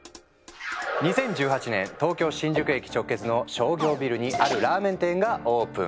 ２０１８年東京新宿駅直結の商業ビルにあるラーメン店がオープン。